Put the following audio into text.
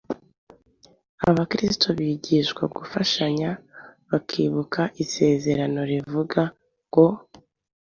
Abakristo bigishijwe gufashanya, bakibuka isezerano rivuga ngo,